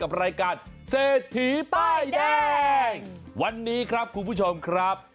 รายการเศรษฐีป้ายแดงวันนี้ครับคุณผู้ชมครับ